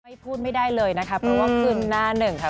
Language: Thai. พูดไม่ได้เลยนะคะเพราะว่าขึ้นหน้าหนึ่งค่ะ